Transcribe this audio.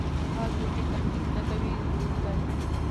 هغه څوک چې تحقيق نه کوي ړوند دی.